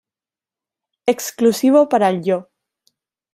Exclusivo para el Yo!